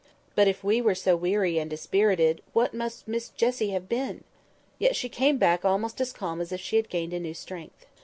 But if we were so weary and dispirited, what must Miss Jessie have been! Yet she came back almost calm as if she had gained a new strength.